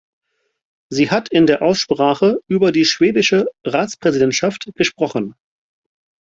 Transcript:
Sie hat in der Aussprache über die schwedische Ratspräsidentschaft gesprochen.